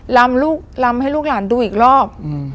ลำให้ลูกหลานดูอีกรอบ